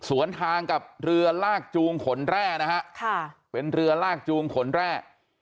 สวนทางกับเรือลากจูงขนแร่นะฮะค่ะเป็นเรือลากจูงขนแร่